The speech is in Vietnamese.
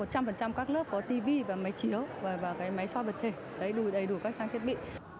có một trăm linh các lớp có tivi và máy chiếu và cái máy soi vật thể đầy đủ các trang thiết bị